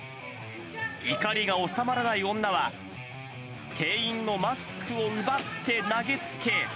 怒りが収まらない女は、店員のマスクを奪って投げつけ。